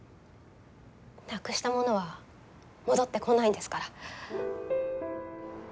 なくしたものは戻ってこないんですから。